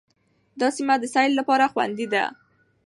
دا سیمه د سیل لپاره خوندي ده.